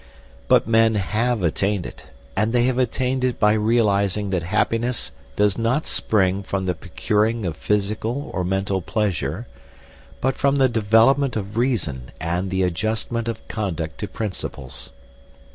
But men have attained it. And they have attained it by realising that happiness does not spring from the procuring of physical or mental pleasure, but from the development of reason and the adjustment of conduct to principles.